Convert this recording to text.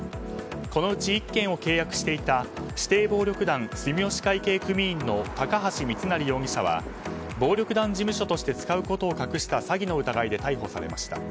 このうち１件を契約していた指定暴力団住吉会系組員の高橋満成容疑者は暴力団事務所として使うことを隠した詐欺の疑いで逮捕されました。